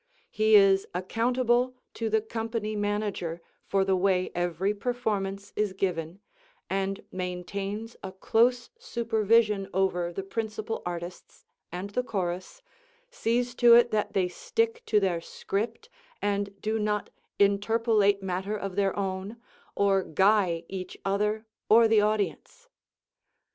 He is accountable to the Company Manager for the way every performance is given, and maintains a close supervision over the principal artists and the chorus, sees to it that they stick to their script and do not interpolate matter of their own or "guy" each other or the audience.